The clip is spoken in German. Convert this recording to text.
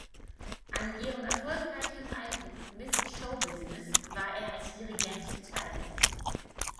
An ihrem erfolgreichem Album "Miss Show Business" war er als Dirigent beteiligt.